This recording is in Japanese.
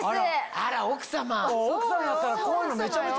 あら奥様。